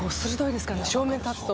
正面立つと。